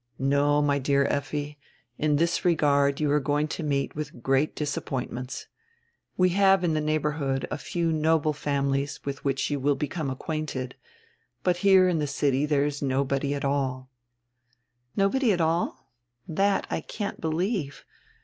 "No, my dear Effi. In this regard you are going to meet with great disappointments. We have in the neighborhood a few noble families with which you will become acquainted, but here in the city there is nobody at all." "Nobody at all? That I can't believe.